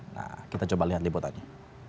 nah kita coba lihat liputannya